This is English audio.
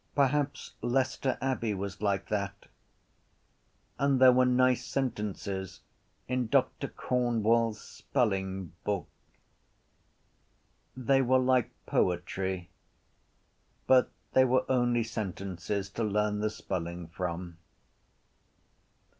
Perhaps Leicester Abbey was like that. And there were nice sentences in Doctor Cornwell’s Spelling Book. They were like poetry but they were only sentences to learn the spelling from.